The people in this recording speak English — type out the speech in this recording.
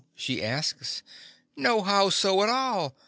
she asks; "No 'how so' at all.